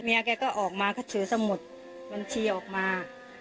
เมียแกก็ออกมาก็เฉยสมมุติมันชี้ออกมา